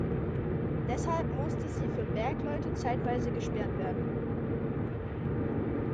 Deshalb musste sie für Bergleute zeitweise gesperrt werden.